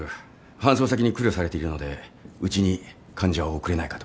搬送先に苦慮されているのでうちに患者を送れないかと。